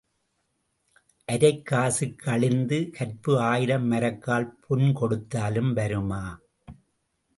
அரைக் காசுக்கு அழிந்த கற்பு ஆயிரம் மரக்கால் பொன் கொடுத்தாலும் வருமா?